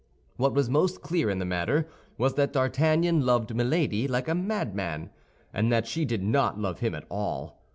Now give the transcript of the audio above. What was most clear in the matter was that D'Artagnan loved Milady like a madman, and that she did not love him at all.